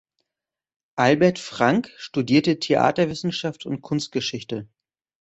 Albert Frank studierte Theaterwissenschaft und Kunstgeschichte.